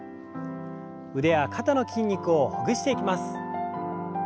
腕や肩の筋肉をほぐしていきます。